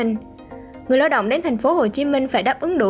người lao động đến tp hcm phải đáp ứng đủ